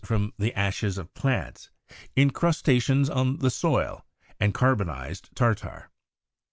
from the ashes of plants, incrusta tions on the soil, and carbonized tartar.